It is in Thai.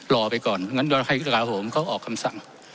รอไปก่อนงั้นรอให้กระลาโหมเขาออกคำสั่ง